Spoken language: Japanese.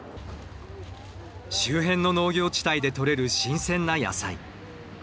周辺の農業地帯で取れる新鮮な野菜。